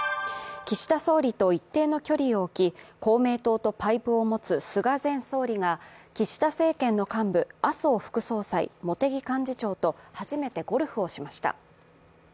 岸田総理と一定の距離を置き、公明党とパイプを持つ菅前総理が岸田政権の幹部、麻生副総裁、茂木幹事長と初めてゴルフをしました。